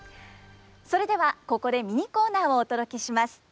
それではここでミニコーナーをお届けします。